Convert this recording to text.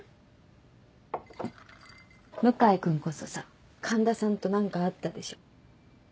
向井君こそさ環田さんと何かあったでしょ？